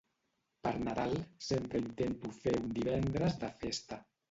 Per Nadal sempre intento fer uns divendres de festa.